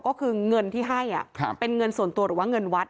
ก็คือเงินที่ให้เป็นเงินส่วนตัวหรือว่าเงินวัด